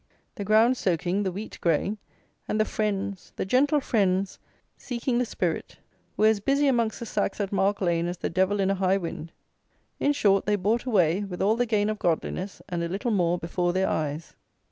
The ground soaking, the wheat growing, and the "Friends;" the gentle Friends, seeking the Spirit, were as busy amongst the sacks at Mark lane as the devil in a high wind. In short they bought away, with all the gain of Godliness, and a little more, before their eyes.